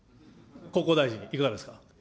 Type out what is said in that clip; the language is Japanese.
国交大臣、いかがですか。